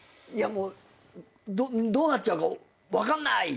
どうなっちゃうか分かんない！みたいな。